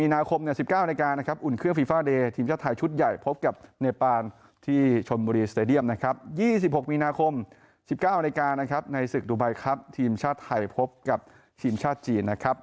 ในศึกดูไบครับทีมชาติไทยพบกับทีมชาติจีนนะครับ